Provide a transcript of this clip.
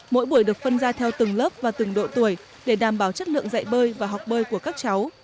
mỗi buổi được phân ra theo từng lớp và từng độ tuổi để đảm bảo chất lượng dạy bơi và học bơi của các cháu